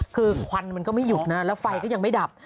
คือควันมันก็ไม่หยุดนะแล้วไฟก็ยังไม่ดับ